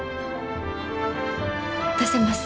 出せます。